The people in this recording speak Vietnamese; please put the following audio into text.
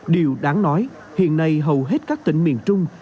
điều đáng nói hiện nay hầu hết các tỉnh miền trung